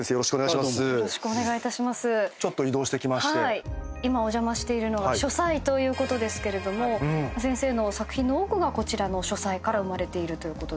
はい今お邪魔しているのが書斎ということですけれども先生の作品の多くがこちらの書斎から生まれているということで。